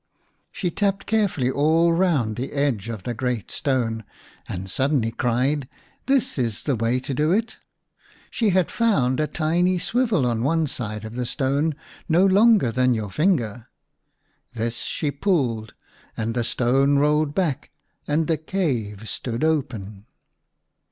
She tapped carefully all round the edge of the great stone, and suddenly cried :" This is the way to do it." She had found a tiny swivel on one side of the stone, no longer than your finger. This she pulled, and the stone rolled back and the cave stood open.